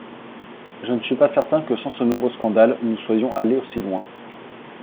Je ne suis pas certain que, sans ce nouveau scandale, nous soyons allés aussi loin.